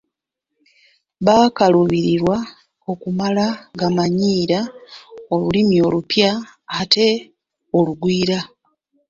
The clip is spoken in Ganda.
Bakaluubirwa okumala gamanyiira Olulimi olupya ate olugwira.